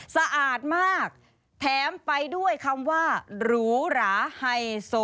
สะอาดมากแถมไปด้วยคำว่าหรูหราไฮโซ